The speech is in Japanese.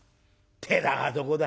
「寺はどこだ？」。